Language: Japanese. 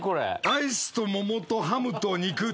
アイスと桃とハムと肉と。